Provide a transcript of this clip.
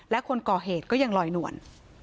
และคนก่อเหตุก็ยังลอยนวล